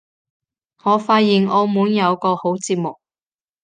我發現澳門有個好節目